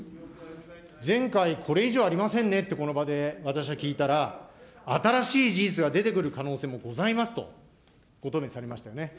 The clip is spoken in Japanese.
前回、これ以上ありませんねって、この場で私は聞いたら、新しい事実が出てくる可能性もございますと、ご答弁されましたよね。